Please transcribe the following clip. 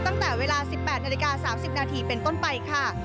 ตั้งแต่เวลา๑๘นาฬิกา๓๐นาทีเป็นต้นไปค่ะ